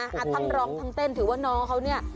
ทั้งร้องทั้งเต้นถือว่าน้องเขาเนี่ย